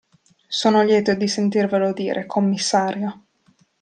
Sono lieto di sentirvelo dire, commissario.